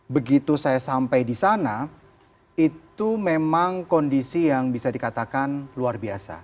begitu saya sampai di sana itu memang kondisi yang bisa dikatakan luar biasa